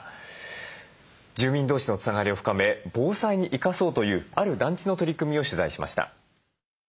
住民同士のつながりを深め防災に生かそうというある団地の取り組みを取材しました。